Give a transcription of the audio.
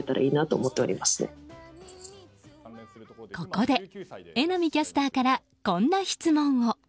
ここで、榎並キャスターからこんな質問を。